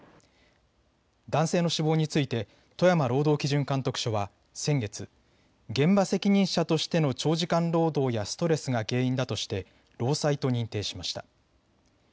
男性の死亡について富山労働基準監督署は先月、現場責任者としての長時間労働やストレスが原因だとして労災と認定しました。